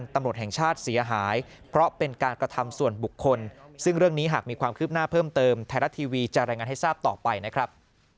ไทยรัฐทีวีจะรายงานให้ทราบต่อไปนะครับ